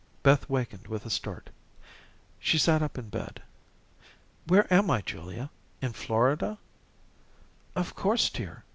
Beth wakened with a start. She sat up in bed. "Where am I, Julia? In Florida?" "Of course, dear.